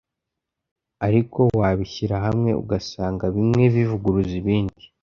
ariko wabishyira hamwe, ugasanga bimwe bivuguruza ibindi